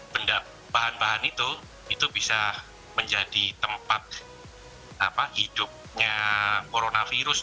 bahan bahan itu bisa menjadi tempat hidupnya coronavirus